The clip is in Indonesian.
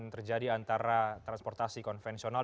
yang terjadi antara transportasi konvensional